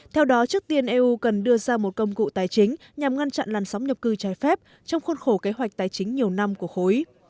theo đó trước tiên eu cần đưa ra một công cụ tài chính nhằm ngăn chặn làn sóng nhập cư trái phép trong khuôn khổ kế hoạch tài chính nhiều năm của khối